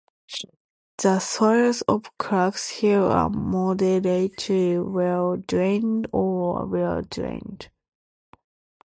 The soils of Clarks Hill are moderately well drained or well drained.